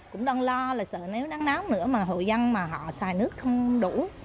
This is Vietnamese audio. cũng đang lo là sợ nếu nắng nóng nữa mà hội dân mà họ xài nước không đủ